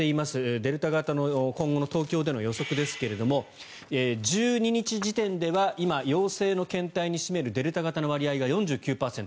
デルタ型の今後の東京での予測ですが１２日時点では今、陽性の検体に占めるデルタ型の割合が４９％。